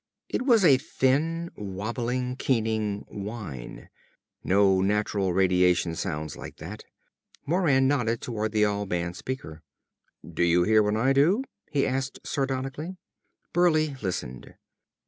It was a thin, wabbling, keening whine. No natural radiation sounds like that. Moran nodded toward the all band speaker. "Do you hear what I do?" he asked sardonically. Burleigh listened.